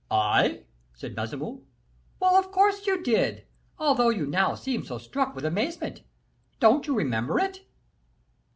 "I?" cried Baisemeaux. "Yes, of course you did, although you now seem so struck with amazement. Don't you remember it?"